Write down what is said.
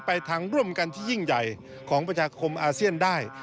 ไปทางร่วมกันที่ยิ่งใหญ่ของประชาคมอาเซียนได้